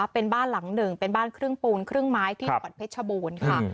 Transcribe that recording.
เป็นบ้านหลังหนึ่งเป็นบ้านครึ่งปูนครึ่งไม้ที่จังหวัดเพชรชบูรณ์ค่ะ